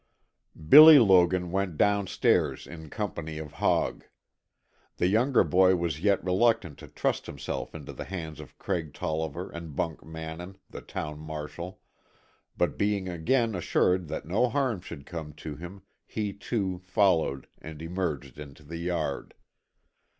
Billy Logan went down stairs in company of Hogg. The younger boy was yet reluctant to trust himself into the hands of Craig Tolliver and Bunk Mannin, the town marshal, but being again assured that no harm should come to him, he, too, followed and emerged into the yard.